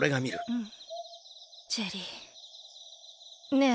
ねえ。